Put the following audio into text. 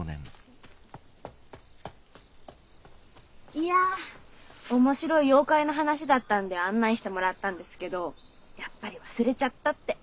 いやおもしろい妖怪の話だったんで案内してもらったんですけどやっぱり忘れちゃったって。